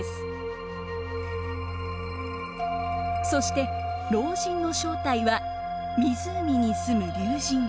そして老人の正体は湖に住む龍神。